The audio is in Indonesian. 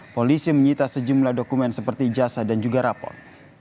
polisi menyita sejumlah dokumen seperti jasa dan juga rapor